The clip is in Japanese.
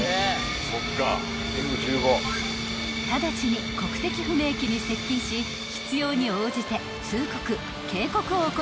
［直ちに国籍不明機に接近し必要に応じて通告・警告を行っています］